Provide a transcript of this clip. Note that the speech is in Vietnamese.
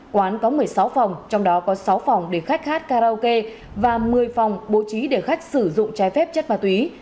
quán có một mươi sáu phòng trong đó có sáu phòng để khách hát karaoke và một mươi phòng bố trí để khách sử dụng trái phép chất ma túy